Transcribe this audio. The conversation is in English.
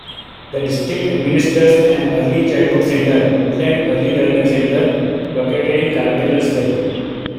The district administers an early childhood center, Woodland Early Learning Center, located in Carpentersville.